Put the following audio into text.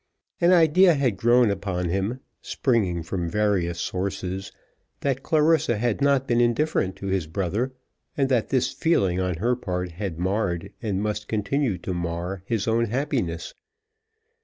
An idea had grown upon him, springing from various sources, that Clarissa had not been indifferent to his brother, and that this feeling on her part had marred, and must continue to mar, his own happiness.